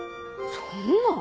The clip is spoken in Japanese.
そんな。